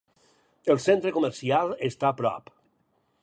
El centre comercial està prop.